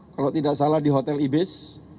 kalau tidak salah di hotel ibis